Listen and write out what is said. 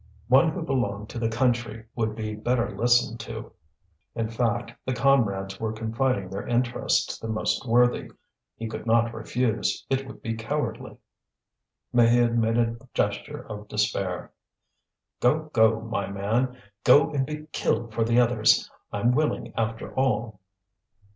One who belonged to the country would be better listened to. In fact, the comrades were confiding their interests to the most worthy; he could not refuse, it would be cowardly. Maheude made a gesture of despair. "Go, go, my man; go and be killed for the others. I'm willing, after all!"